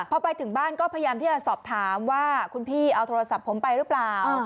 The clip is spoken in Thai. พอไปถึงบ้านก็พยายามที่จะสอบถามว่าคุณพี่เอาโทรศัพท์ผมไปหรือเปล่า